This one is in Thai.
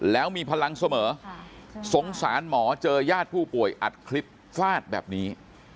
แล้วมีพลังเสมอสงสารหมอเจอญาติผู้ป่วยอัดคลิปฟาดแบบนี้